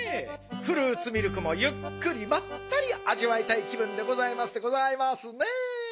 フルーツミルクもゆっくりまったりあじわいたい気ぶんでございますでございますね。